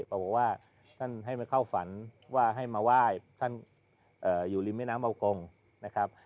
บอกว่าท่านให้มาเข้าฝันว่าให้มาไหว้ท่านอยู่ริมแม่น้ำเบากงนะครับ